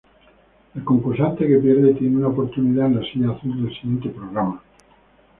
El concursante que pierde tiene una oportunidad en la silla azul del siguiente programa.